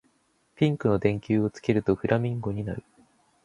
ピンクの電球をつけるとフラミンゴになる